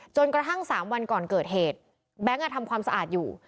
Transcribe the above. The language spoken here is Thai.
จนกระทั่ง๓วันก่อนเกิดเหตุแบงค์ทำความสะอาดอยู่